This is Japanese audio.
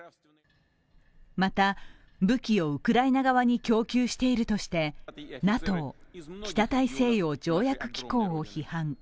また武器をウクライナ側に供給しているとして、ＮＡＴＯ＝北大西洋条約機構を批判。